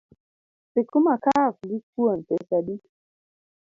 Sikuma kaf gi kuon pesa adi?